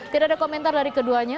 tidak ada komentar dari keduanya